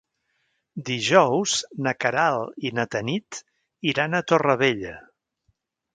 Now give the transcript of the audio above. Dijous na Queralt i na Tanit iran a Torrevella.